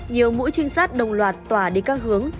nhiều mũi trinh sát đồng loạt tỏa đi các hướng